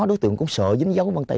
đối tượng cũng sợ dính dấu văn tay